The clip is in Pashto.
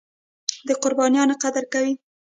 د قربانیو قدر کوي.